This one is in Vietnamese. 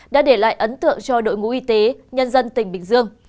đã để lại ấn tượng cho đội ngũ y tế nhân dân tỉnh bình dương